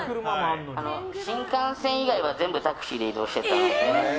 新幹線以外は全部タクシーで移動してたので。